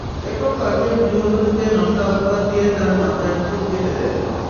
এরপর কয়েকজন গৃহবধূকে নষ্টা অপবাদ দিয়ে তাঁর মাথার চুল কেটে দেন।